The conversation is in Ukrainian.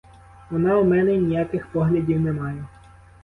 Вона у мене ніяких поглядів не має.